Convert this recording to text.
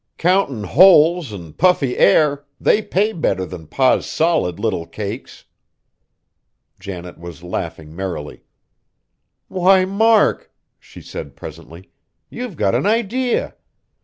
Countin' holes an' puffy air, they pay better than Pa's solid little cakes." Janet was laughing merrily. "Why, Mark!" she said presently, "you've got an idea.